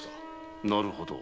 なるほど。